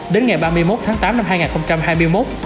đến ngày ba mươi một tháng tám năm hai nghìn hai mươi một